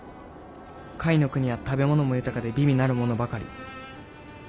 甲斐国は食べ物も豊かで美味なるものばかり。